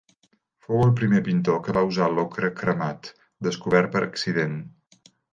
Fou el primer pintor que va usar l'ocre cremat, descobert per accident.